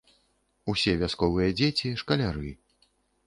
Усё вясковыя дзеці, шкаляры.